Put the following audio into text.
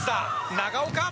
長岡！